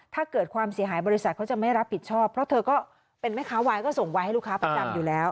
ถ้าเกิดความเสียหายบริษัทเขาจะไม่รับผิดชอบเพราะเธอก็เป็นแม่ค้าวายก็ส่งวายให้ลูกค้าประจำอยู่แล้ว